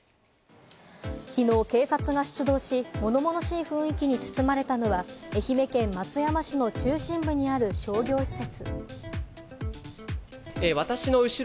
きのう警察が出動し、物々しい雰囲気に包まれたのは愛媛県松山市の中心部にある商業施設。